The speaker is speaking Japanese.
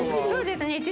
そうですね。